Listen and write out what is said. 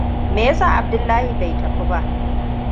Me yasa Abdullahi bai tafi ba?